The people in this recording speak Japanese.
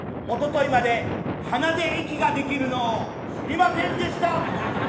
一昨日まで鼻で息ができるのを知りませんでした。